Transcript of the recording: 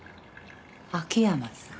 秋山さん？